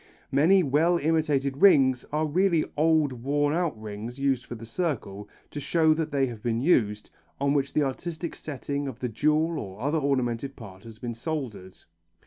Many well imitated rings are really old worn out rings used for the circle, to show that they have been used, on which the artistic setting of the jewel or other ornamental part has been soldered.